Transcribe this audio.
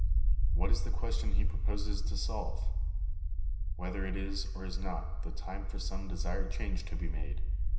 What is the question he proposes to solve ? Whether it is, or is not, the time for some desired change to be made?